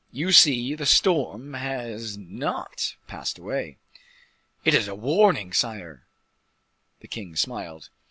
"You see, the storm has not passed away." "It is a warning, sire." The king smiled.